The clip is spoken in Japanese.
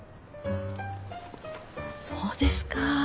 そうですか。